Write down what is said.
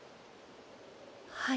はい。